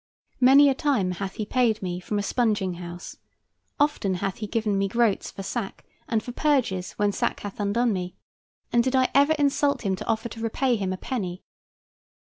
Many a time hath he paid me from a sponging house; often hath he given me groats for sack, and for purges when sack hath undone me; and did I ever insult him to offer to repay him a penny?